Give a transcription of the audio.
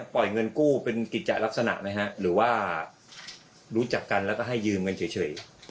ปล่อยเงินกู้เป็นกิจจะลักษณะไหมฮะหรือว่ารู้จักกันแล้วก็ให้ยืมกันเฉย